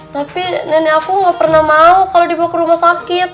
tapi nenek aku nggak pernah mau kalau dibawa ke rumah sakit